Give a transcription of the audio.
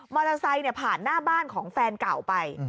มอเตอร์ไซด์เนี่ยผ่านหน้าบ้านของแฟนเก่าไป